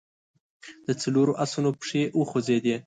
د څلورو آسونو پښې وخوځېدې.